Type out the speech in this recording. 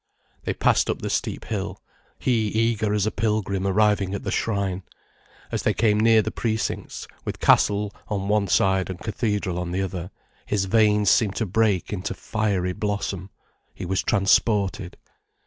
They passed up the steep hill, he eager as a pilgrim arriving at the shrine. As they came near the precincts, with castle on one side and cathedral on the other, his veins seemed to break into fiery blossom, he was transported.